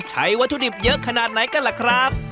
ใช้วัตถุดิบเยอะขนาดไหนกันล่ะครับ